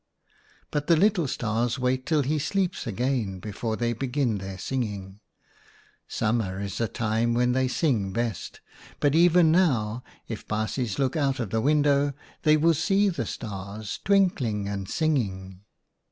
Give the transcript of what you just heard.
" But the little Stars wait till he sleeps again before they begin their singing. Sum mer is the time when they sing best, but even now, if baasjes look out of the window they will see the Stars, twinkling and singing."